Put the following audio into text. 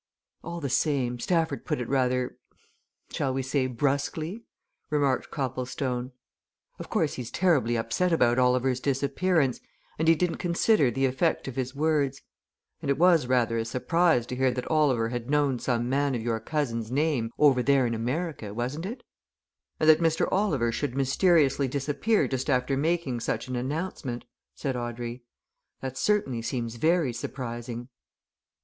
"All the same, Stafford put it rather shall we say, brusquely," remarked Copplestone. "Of course, he's terribly upset about Oliver's disappearance, and he didn't consider the effect of his words. And it was rather a surprise to hear that Oliver had known some man of your cousin's name over there in America, wasn't it?" "And that Mr. Oliver should mysteriously disappear just after making such an announcement," said Audrey. "That certainly seems very surprising."